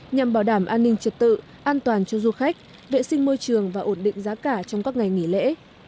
nhằm bảo đảm an ninh trật tự an toàn cho du khách vệ sinh môi trường và ổn định giá cả trong các ngày nghỉ lễ